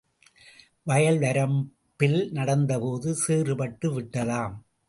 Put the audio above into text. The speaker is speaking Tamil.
வயல் வரப்பில் நடந்தபோது, சேறுபட்டு விட்டதாம்.